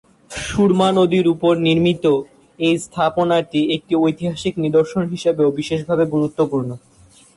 সুরমা নদীর ওপর নির্মিত এই স্থাপনাটি একটি ঐতিহাসিক নিদর্শন হিসাবেও বিশেষভাবে গুরুত্বপূর্ণ।